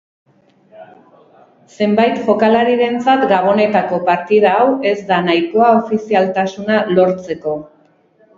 Zenbait jokalarirentzat gabonetako partida hau ez da nahikoa ofizialtasuna lortzeko.